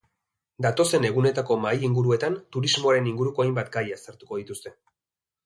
Datozen egunetako mahai-inguruetan turismoaren inguruko hainbat gai aztertuko dituzte.